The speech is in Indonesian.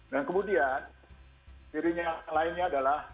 dan kemudian sirinya yang lainnya adalah